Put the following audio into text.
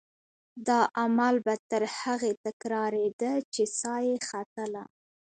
دا عمل به تر هغې تکرارېده چې سا یې ختله.